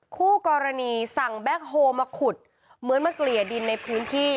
คู่กรณีสั่งแก๊คโฮมาขุดเหมือนมาเกลี่ยดินในพื้นที่